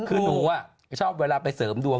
คือหนูชอบเวลาไปเสริมดวง